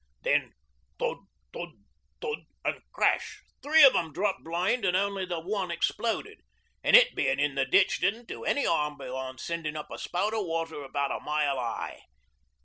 Then thud thud thud an' crash! three of 'em dropped blind an' only the one exploded; an' it bein' in the ditch didn't do any harm beyond sendin' up a spout o' water about a mile high.